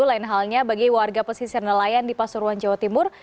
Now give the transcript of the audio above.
lain halnya bagi warga pesisir nelayan di pasuruan jawa timur